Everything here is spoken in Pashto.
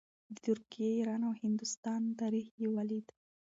د ترکیې، ایران او هندوستان تاریخ یې ولید.